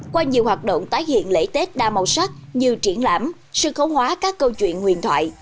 qua nhiều hoạt động tái hiện lễ tết đa màu sắc như triển lãm sân khấu hóa các câu chuyện nguyên thoại